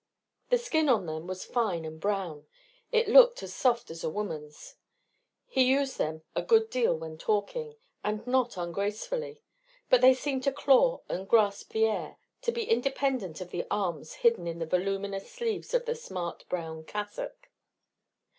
The skin on them was fine and brown; it looked as soft as a woman's. He used them a good deal when talking, and not ungracefully; but they seemed to claw and grasp the air, to be independent of the arms hidden in the voluminous sleeves of the smart brown cassock.